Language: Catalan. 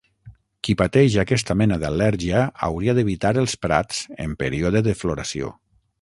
Qui pateix aquesta mena d’al·lèrgia hauria d’evitar els prats en període de floració.